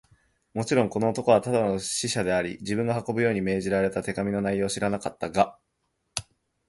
もちろん、この男はただの使者であり、自分が運ぶように命じられた手紙の内容を知らなかったが、